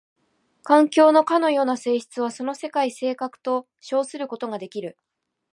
環境のかような性質はその世界性格と称することができる。